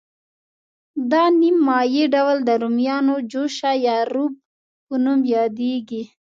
دا نیم مایع ډول د رومیانو جوشه یا روب په نوم یادیږي.